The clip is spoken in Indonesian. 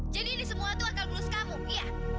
jadi ini semua akal gulus kamu ya